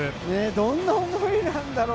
どんな思いなんだろう。